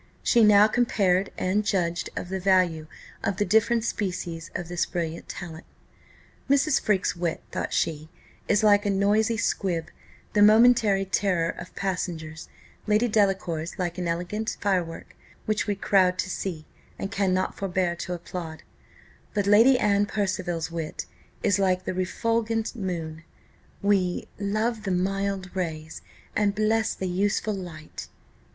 She now compared and judged of the value of the different species of this brilliant talent. Mrs. Freke's wit, thought she, is like a noisy squib, the momentary terror of passengers; Lady Delacour's like an elegant firework, which we crowd to see, and cannot forbear to applaud; but Lady Anne Percival's wit is like the refulgent moon, we "Love the mild rays, and bless the useful light."